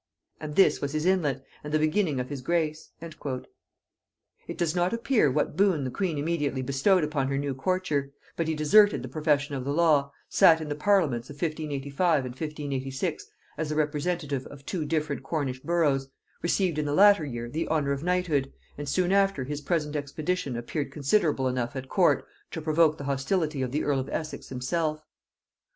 And this was his inlet, and the beginning of his grace." It does not appear what boon the queen immediately bestowed upon her new courtier; but he deserted the profession of the law, sat in the parliaments of 1585 and 1586 as the representative of two different Cornish boroughs, received in the latter year the honor of knighthood, and soon after his present expedition appeared considerable enough at court to provoke the hostility of the earl of Essex himself.